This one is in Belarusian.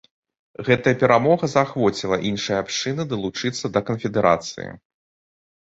Гэтая перамога заахвоціла іншыя абшчыны далучыцца да канфедэрацыі.